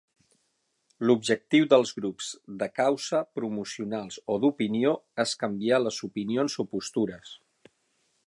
L'objectiu dels grups de "causa", "promocionals" o "d'opinió" és canviar les opinions o postures.